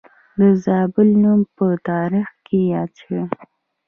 د زابل نوم په تاریخ کې یاد شوی